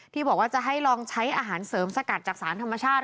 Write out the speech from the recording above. ที่บอกว่าจะให้ลองใช้อาหารเสริมสกัดจากสารธรรมชาติ